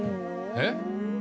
えっ？